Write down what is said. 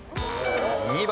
２番。